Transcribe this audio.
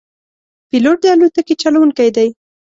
پیلوټ د الوتکې چلوونکی دی.